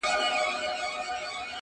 o سړي ښخ کئ سپي د کلي هدیره کي,